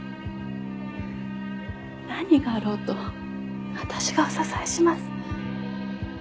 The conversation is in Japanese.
何があろうと私がお支えします。